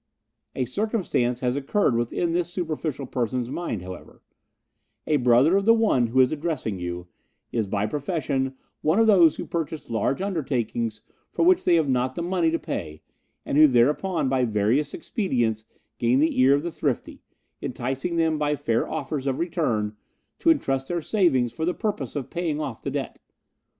A circumstance has occurred within this superficial person's mind, however: A brother of the one who is addressing you is by profession one of those who purchase large undertakings for which they have not the money to pay, and who thereupon by various expedients gain the ear of the thrifty, enticing them by fair offers of return to entrust their savings for the purpose of paying off the debt.